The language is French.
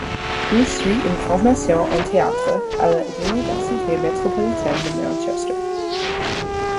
Il suit une formation en théâtre à la de l'université métropolitaine de Manchester.